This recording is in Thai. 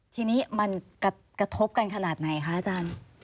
ทีนี้มันกระทบกันขนาดไหนคะอาจารย์